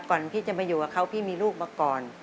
พี่จะมาอยู่กับเขาพี่มีลูกมาก่อน